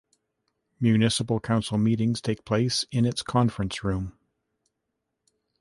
Municipal council meetings take place in its conference room.